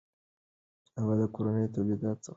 د کورنیو تولیداتو څخه ملاتړ وکړئ.